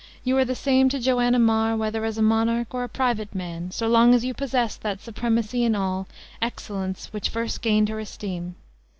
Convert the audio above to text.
You are the same to Joanna Mar whether as a monarch or a private man, so long as you possess that supremacy in all, excellence which first gained her esteem.